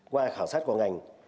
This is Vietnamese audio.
qua khảo sát của ngành